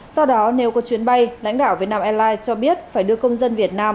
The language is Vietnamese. sau đó nếu có chuyến bay lãnh đạo vietnam airlines cho biết phải đưa công dân việt nam